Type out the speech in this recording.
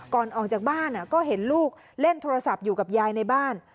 ก่อนออกจากบ้านก็เห็นลูกเล่นโทรศัพท์อยู่กับยายในบ้าน